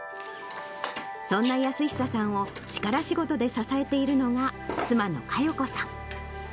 そんな泰久さんを力仕事で支えているのが妻の加代子さん。